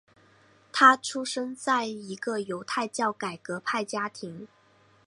他出生在一个犹太教改革派家庭。